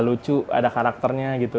lucu ada karakternya gitu